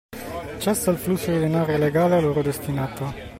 Cessa il flusso di denaro illegale a loro destinato